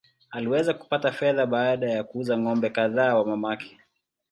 Aliweza kupata fedha baada ya kuuza ng’ombe kadhaa wa mamake.